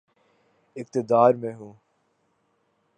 اقتدار میں ہوں۔